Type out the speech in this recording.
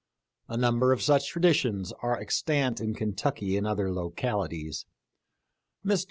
A number of such traditions are extant in Kentucky and other localities. Mr.